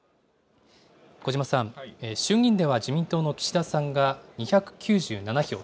小嶋さん、衆議院では自民党の岸田さんが２９７票。